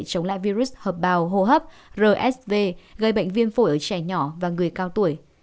chống lại virus hợp bào hô hấp rsv gây bệnh viêm phổi ở trẻ nhỏ và người cao tuổi